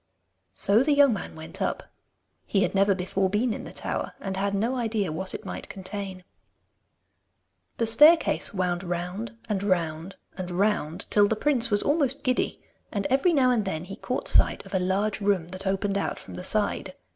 So the young man went up. He had never before been in the tower, and had no idea what it might contain. The staircase wound round and round and round, till the prince was almost giddy, and every now and then he caught sight of a large room that opened out from the side.